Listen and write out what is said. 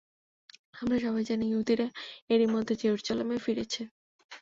আমরা সবাই জানি, ইহুদিরা এরই মধ্যে জেরুজালেমে ফিরেছে।